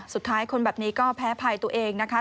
สุดท้ายคนแบบนี้ก็แพ้ภัยตัวเองนะคะ